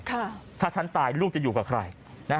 ถ้าฉันตายลูกจะอยู่กับใคร